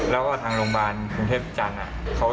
แล้วก็ทางโรงบาลรุ่นเทพห์จันทร์